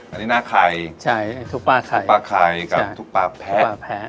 อันนี้หน้าไข่ถุกปลาไข่กับถุกปลาแพ้